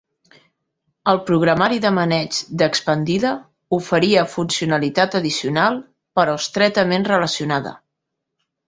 El programari de maneig d'expandida oferia funcionalitat addicional però estretament relacionada.